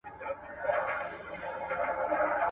ايا رسول الله له خپلو مېرمنو سره مشوره کوله؟